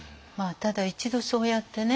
ただ一度そうやってね